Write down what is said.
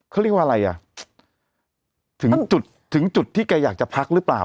เขาเรียกว่าอะไรอ่ะถึงจุดถึงจุดที่แกอยากจะพักหรือเปล่า